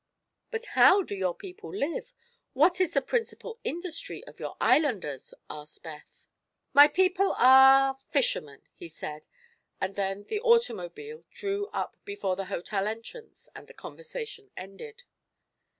"But how do your people live? What is the principal industry of your islanders?" asked Beth. "My people are fishermen," he said, and then the automobile drew up before the hotel entrance and the conversation ended.